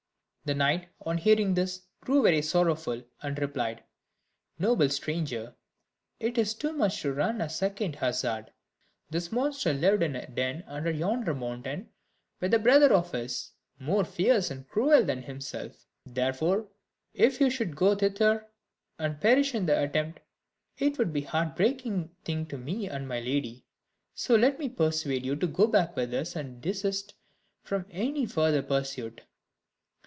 The knight, on hearing this, grew very sorrowful, and replied: "Noble stranger, it is too much to run a second hazard; this monster lived in a den under yonder mountain, with a brother of his, more fierce and cruel than himself; therefore, if you should go thither, and perish in the attempt, it would be a heart breaking thing to me and my lady; so let me persuade you to go back with us, and desist from any further pursuit."